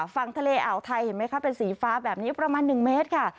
ฝั่งทะเลอ่าวไทยเห็นไหมคะเป็นสีฟ้าแบบนี้ประมาณ๑เมตรค่ะ